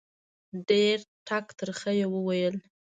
ډېر ټک ترخه یې وویل.